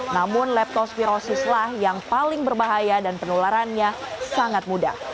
namun leptospirosislah yang paling berbahaya dan penularannya sangat mudah